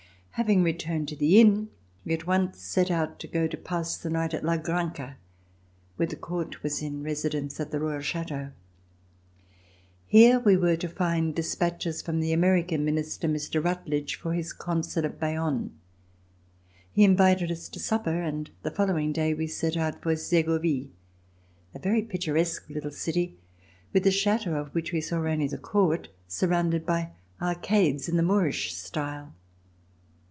Having returned to the inn, we at once set out to go to pass the night at La Granja, where the Court was in residence at the Royal Chateau. Here we were to find dispatches from the American Minister, Mr. Rutledge, for his Consul at Bayonne. He invited us to supper, and the following day we set out for Segovie, a very picturesque little city with a chateau, of which we saw only the court surrounded by arcades in the Moorish style.